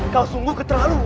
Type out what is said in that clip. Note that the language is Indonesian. kau sungguh keterlaluan